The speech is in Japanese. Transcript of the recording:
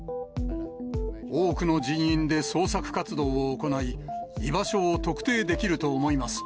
多くの人員で捜索活動を行い、居場所を特定できると思います。